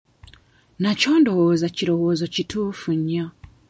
Nakyo ndowooza kirowoozo kituufu nnyo.